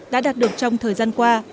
đã đạt được trong thời gian qua